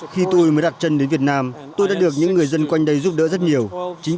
khi tôi mới đặt chân đến việt nam tôi đã được những người dân quanh đây giúp đỡ rất nhiều